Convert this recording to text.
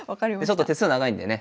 ちょっと手数長いんでね